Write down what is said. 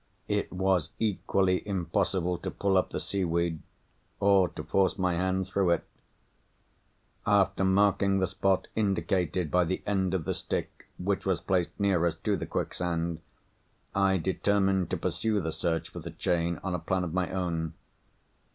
It was equally impossible to pull up the seaweed, or to force my hand through it. After marking the spot indicated by the end of the stick which was placed nearest to the quicksand, I determined to pursue the search for the chain on a plan of my own.